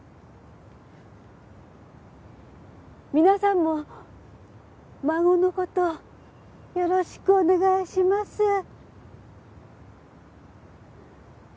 皆さんも孫の事をよろしくお願いします。